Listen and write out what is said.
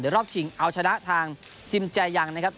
เดี๋ยวรอบถึงเอาชนะทางซิมแจยังนะครับ